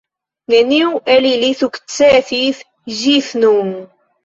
Neniu el ili sukcesis ĝis nun.